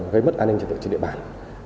gây mất an ninh trật tự trên địa bàn